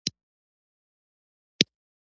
ښکیل اړخونه هم په دې عناصرو کې راځي.